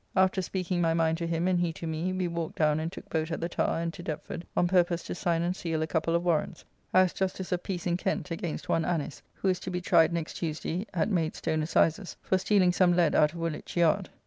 After speaking my mind to him and he to me, we walked down and took boat at the Tower and to Deptford, on purpose to sign and seal a couple of warrants, as justice of peace in Kent, against one Annis, who is to be tried next Tuesday, at Maidstone assizes, for stealing some lead out of Woolwich Yard.